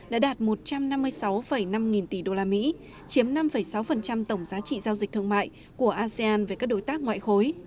đã đạt một trăm năm mươi sáu năm nghìn tỷ usd chiếm năm sáu tổng giá trị giao dịch thương mại của asean với các đối tác ngoại khối